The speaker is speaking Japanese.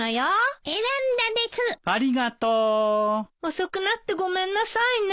遅くなってごめんなさいね。